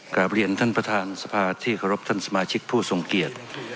กลับเรียนท่านประธานสภาที่เคารพท่านสมาชิกผู้ทรงเกียจ